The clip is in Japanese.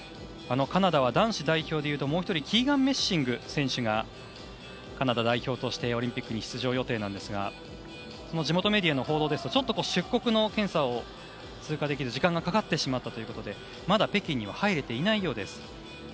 カナダは男子代表でいうともう１人キーガン・メッシング選手がカナダ代表としてオリンピック出場予定でしたが地元メディアの報道だと出国検査を通過できずに時間がかかってしまったということでまだ北京に入れていないようです。